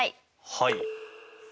はい。